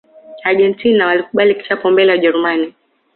argentina walikubali kichapo mbele ya ujerumani